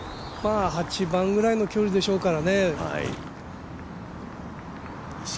８番ぐらいの距離でしょうからね。